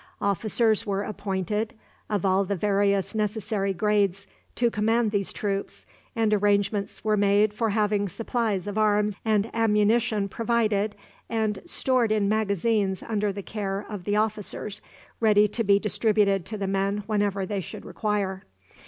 Officers were appointed, of all the various necessary grades, to command these troops, and arrangements were made for having supplies of arms and ammunition provided and stored in magazines under the care of the officers, ready to be distributed to the men whenever they should require.